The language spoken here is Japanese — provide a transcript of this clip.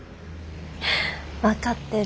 分かってる。